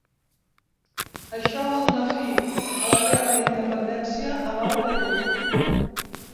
Això va donar fi a la guerra d'independència a l'Alt Perú.